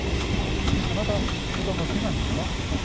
あなたトタンが好きなんですか？